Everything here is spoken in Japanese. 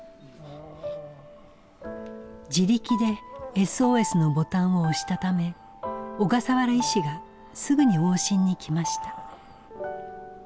自力でＳＯＳのボタンを押したため小笠原医師がすぐに往診に来ました。